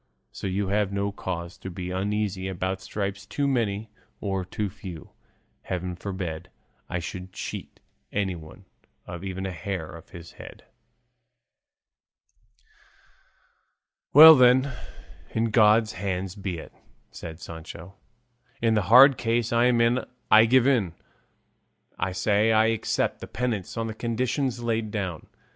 So you have no cause to be uneasy about stripes too many or too few; heaven forbid I should cheat anyone of even a hair of his head." "Well then, in God's hands be it," said Sancho; "in the hard case I'm in I give in; I say I accept the penance on the conditions laid down."